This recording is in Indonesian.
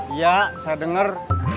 iya saya dengar